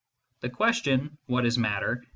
" The question, " What is matter ?